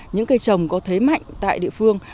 những cây trồng có thế mạnh tại địa phương